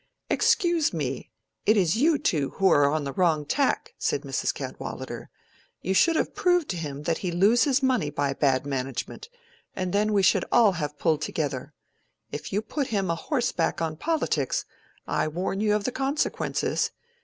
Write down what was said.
"Excuse me, it is you two who are on the wrong tack," said Mrs. Cadwallader. "You should have proved to him that he loses money by bad management, and then we should all have pulled together. If you put him a horseback on politics, I warn you of the consequences.